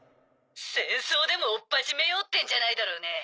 戦争でもおっ始めようってんじゃないだろうね？